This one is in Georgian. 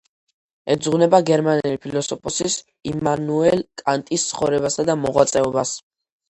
ეძღვნება გერმანელი ფილოსოფოსის იმანუელ კანტის ცხოვრებასა და მოღვაწეობას.